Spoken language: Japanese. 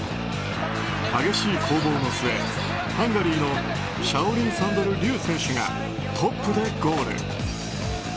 激しい攻防の末、ハンガリーのシャオリン・サンドル・リュー選手がトップでゴール。